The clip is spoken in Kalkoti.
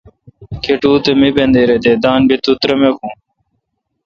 کٹو تہ۔ می بندیر اے°،دان بی تو ترمکون